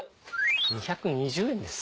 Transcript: ２２０円です。